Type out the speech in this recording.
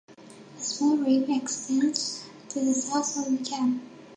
A small reef extends to the south of the cape.